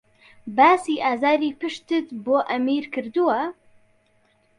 باسی ئازاری پشتتت بۆ ئەمیر کردووە؟